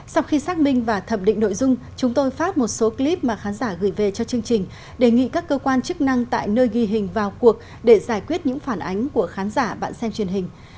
sau khi xác minh và thẩm định nội dung chúng tôi phát một số clip mà khán giả gửi về cho chương trình đề nghị các cơ quan chức năng tại nơi ghi hình vào cuộc để giải quyết những phản ánh của khán giả bạn xem truyền hình